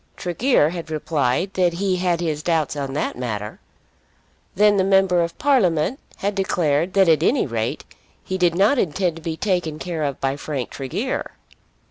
Tregear had replied that he had his doubts on that matter. Then the Member of Parliament had declared that at any rate he did not intend to be taken care of by Frank Tregear!